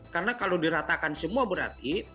karena kalau diratakan semua berarti